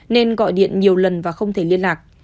nên gọi điện nhiều lần và không thể liên lạc